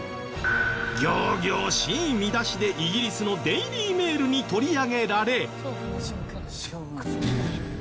仰々しい見出しでイギリスの『ＤａｉｌｙＭａｉｌ』に取り上げられ。